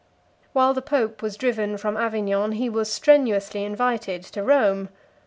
60 While the pope was driven from Avignon, he was strenuously invited to Rome.